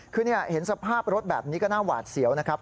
คือเห็นสภาพรถแบบนี้ก็น่าหวาดเสียวนะครับ